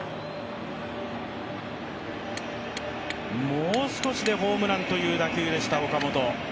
もう少しでホームランという打球でした、岡本。